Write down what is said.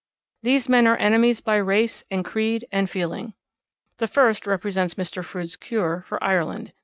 These men are enemies by race and creed and feeling. The first represents Mr. Froude's cure for Ireland.